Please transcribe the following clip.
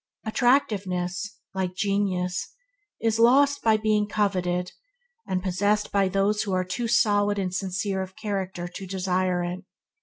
Attractiveness, like genius, is lost by being coveted, and possessed by those who are too solid and sincere of character to desire it.